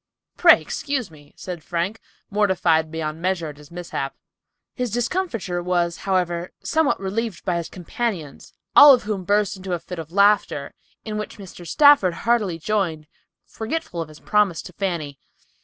"Pray excuse me," said Frank, mortified beyond measure at his mishap. His discomfiture was, however, somewhat relieved by his companions, all of whom burst into a fit of laughter, in which Mr. Stafford heartily joined, forgetful of his promise to Fanny.